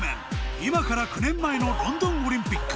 今から９年前のロンドンオリンピック